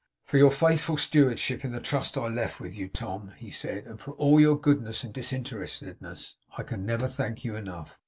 'For your faithful stewardship in the trust I left with you, Tom,' he said, 'and for all your goodness and disinterestedness, I can never thank you enough.